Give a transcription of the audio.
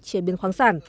chế biến khoáng sản